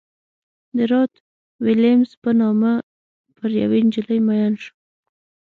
د رات ویلیمز په نامه پر یوې نجلۍ مین شو.